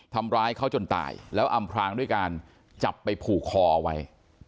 ทำร้ายเขาจนตายแล้วอำพรางด้วยการจับไปผูกคอเอาไว้